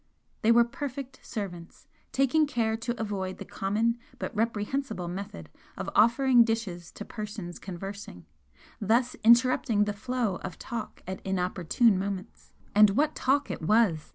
They were perfect servants, taking care to avoid the common but reprehensible method of offering dishes to persons conversing, thus interrupting the flow of talk at inopportune moments. And what talk it was!